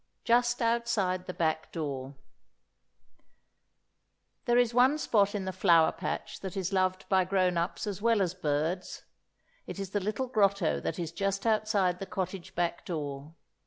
V Just Outside the Back Door There is one spot in the Flower Patch that is loved by grown ups as well as birds. It is the little grotto that is just outside the cottage back door.